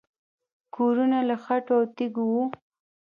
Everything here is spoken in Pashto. کورونه له خټو او تیږو وو